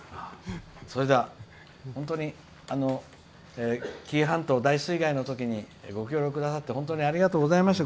それでは本当に紀伊半島大水害のときにご協力くださってありがとうございました。